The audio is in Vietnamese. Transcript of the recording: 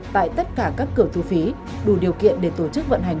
tại tất cả các cửa thu phí đủ điều kiện để tổ chức vận hành